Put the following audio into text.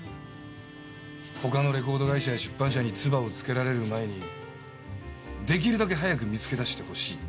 他のレコード会社や出版社につばをつけられる前に出来るだけ早く見つけ出してほしい。